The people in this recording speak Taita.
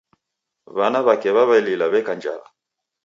W'ana w'ake w'aw'elila w'eka njala.